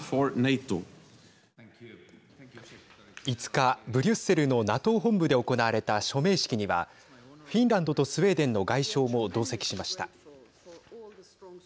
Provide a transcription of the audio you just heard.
５日、ブリュッセルのＮＡＴＯ本部で行われた署名式にはフィンランドとスウェーデンの外相も同席しました。